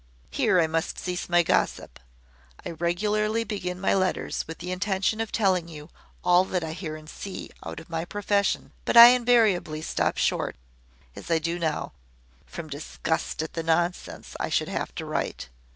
"Here I must cease my gossip. I regularly begin my letters with the intention of telling you all that I hear and see out of my profession but I invariably stop short, as I do now, from disgust at the nonsense I should have to write.